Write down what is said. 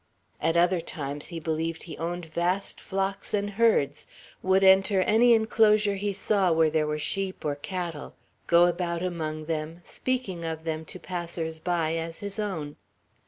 At other times he believed he owned vast flocks and herds; would enter any enclosure he saw, where there were sheep or cattle, go about among them, speaking of them to passers by as his own.